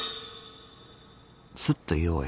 スッと言おうよ。